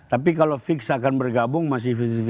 tapi kalau fix akan bergabung masih lima puluh lima puluh